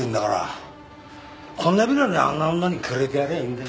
こんなビルはねあんな女にくれてやりゃいいんだよ。